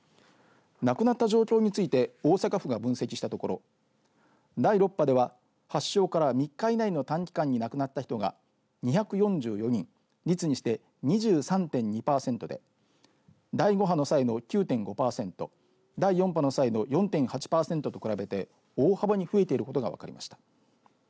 亡くなった状況について大阪府が分析したところ第６波では発症から３日以内の短期間に亡くなった人が２４４人率にして２３．２パーセントで第５波の際の９．５パーセント第４波の際の４．８パーセントと比べて大幅に増えていることが分かりました。